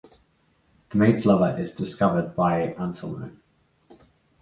The maid's lover is discovered by Anselmo.